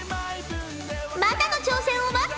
またの挑戦を待っておるぞ。